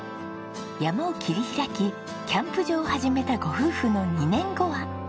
山を切り開きキャンプ場を始めたご夫婦の２年後は。